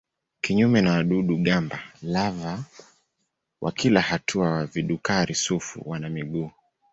Kinyume na wadudu-gamba lava wa kila hatua wa vidukari-sufu wana miguu.